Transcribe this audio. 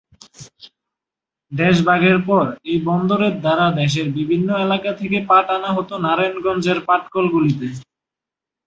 দেশ ভাগের পর এই বন্দরের দ্বারা দেশের বিভিন্ন এলাকা থেকে পাট আনা হতো নারায়ণগঞ্জ এর পাটকল গুলিতে।